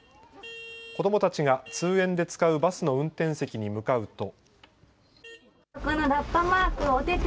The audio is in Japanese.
子どもたちが通園で使うバスの運転席に向かうと。